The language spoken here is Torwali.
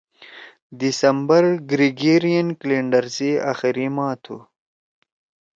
دسمبر گریگیرئن کیلنڈر سی آخری ماہ تُھو۔